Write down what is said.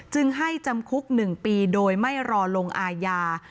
จึงให้จำคุก๑ปีโดยไม่รอลงอาญา